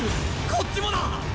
こっちもだ！